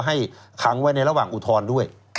ให้ขังไว้ในระหว่างอุทธรณ์ด้วย